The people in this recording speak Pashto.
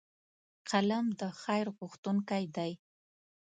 قلم د خیر غوښتونکی دی